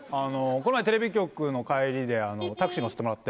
この前テレビ局の帰りでタクシー乗せてもらって。